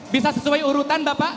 bisa sesuai urutan bapak